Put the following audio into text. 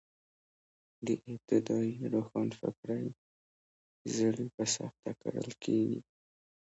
د ابتدايي روښانفکرۍ زړي په سخته کرل کېږي.